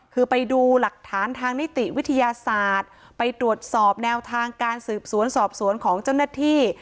คือไปดูหลักฐานทางนิติวิทยาศาสตร์ไปตรวจสอบแนวทางการสืบสวนสอบสวนของเจ้าหน้าที่